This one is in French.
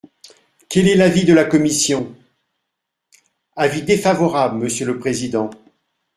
Quel est l’avis de la commission ? Avis défavorable, monsieur le président.